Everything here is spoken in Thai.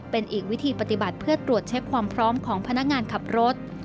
เป็นอีกวิธีปฏิบัติเพื่อตรวจเช็คความพร้อมของพนักงานขับรถ